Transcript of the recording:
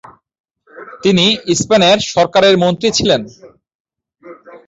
তিনি স্পেনের সরকারে মন্ত্রী ছিলেন।